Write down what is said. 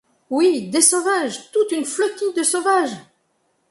Oui !… des sauvages !… toute une flottille de sauvages !…